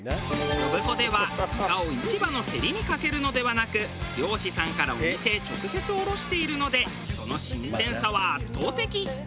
呼子ではイカを市場の競りにかけるのではなく漁師さんからお店へ直接卸しているのでその新鮮さは圧倒的。